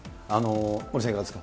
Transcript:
森さん、いかがですか。